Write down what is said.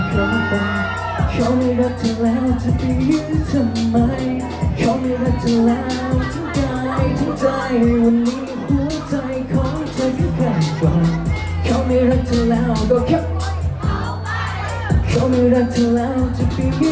เขาไม่รักเธอแล้วจะไปเหยื่อทำไม